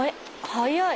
早い！